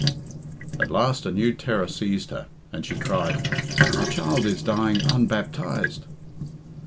At last a new terror seized her, and she cried, "My child is dying unbaptized."